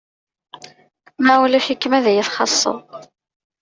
Ma ulac-ikem ad yi-txaṣṣeḍ.